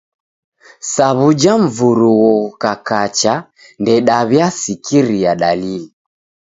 Sa w'uja mvurugho ghukakacha, ndedaw'iasikiria dalili.